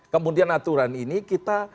kemudian aturan ini kita